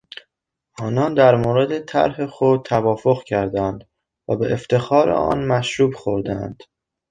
آنان در مورد طرح خود توافق کردند و به افتخار آن مشروب خوردند.